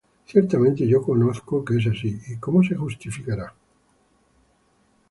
Ciertamente yo conozco que es así: ¿Y cómo se justificará el hombre con Dios?